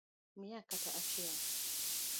Mia kata achiel